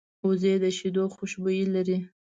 وزې د شیدو خوشبويي لري